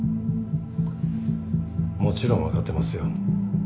もちろん分かってますよ。